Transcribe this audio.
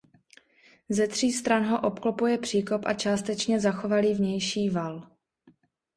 Ze tří stran ho obklopuje příkop a částečně zachovalý vnější val.